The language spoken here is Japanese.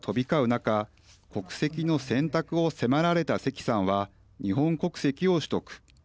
中国籍の選択を迫られた関さんは日本国籍を取得。